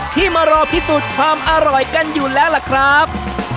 ที่มารอพิสูจน์ความอร่อยกันอยู่แล้วล่ะครับ